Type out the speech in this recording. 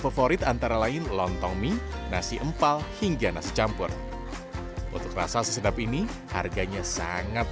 favorit antara lain lontong mie nasi empal hingga nasi campur untuk rasa sesedap ini harganya sangat